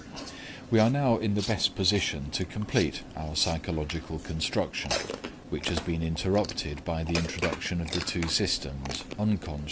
We are now in the best position to complete our psychological construction, which has been interrupted by the introduction of the two systems, Unc.